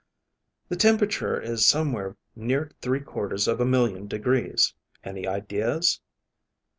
_) (_The temperature is somewhere near three quarters of a million degrees. Any ideas?